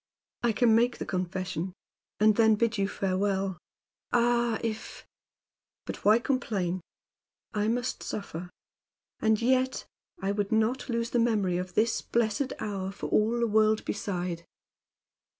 I can make the confession, and then bid you farewell. Ah! if But why complain? I must suffer. And yet I would not lose the memory of this blessed hour for all the world beside!